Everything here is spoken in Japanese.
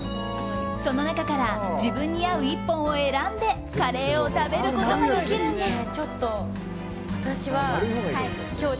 その中から自分に合う１本を選んでカレーを食べることができるんです。